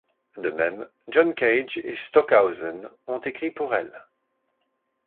De même, John Cage et Stockhausen ont écrit pour elle.